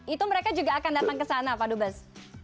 itu mereka juga akan datang ke sana pak dubes